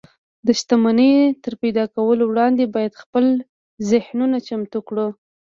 د شتمنۍ تر پيدا کولو وړاندې بايد خپل ذهنونه چمتو کړو.